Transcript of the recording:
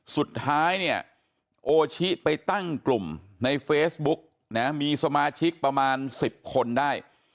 สุดท้ายเนี่ยโอชิไปตั้งกลุ่มในเฟซบุ๊กนะมีสมาชิกประมาณ๑๐คนได้